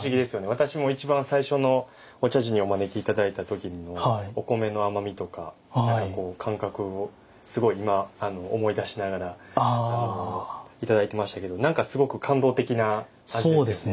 私も一番最初のお茶事にお招き頂いた時のお米の甘みとか感覚をすごい今思い出しながらいただいていましたけど何かすごく感動的な味ですよね。